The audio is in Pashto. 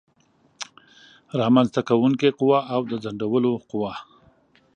رامنځته کوونکې قوه او د ځنډولو قوه